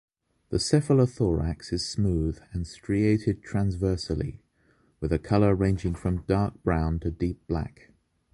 The cephalothorax is smooth and striated transversally, with a color ranging from dark brown to deep black.